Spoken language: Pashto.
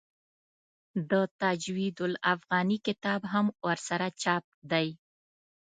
د تجوید الافغاني کتاب هم ورسره چاپ دی.